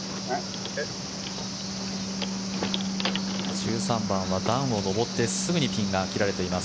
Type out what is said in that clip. １３番は段を上ってすぐにピンが切られています。